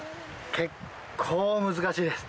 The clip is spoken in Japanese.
結構難しいです。